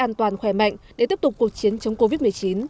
an toàn khỏe mạnh để tiếp tục cuộc chiến chống covid một mươi chín